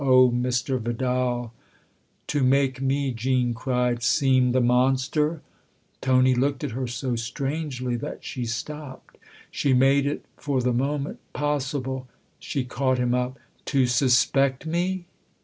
" Oh, Mr. Vidal !" "To make me," Jean cried, "seem the mon ster !" Tony looked at her so strangely that she stopped. " She made it for the moment possible She caught him up. " To suspect me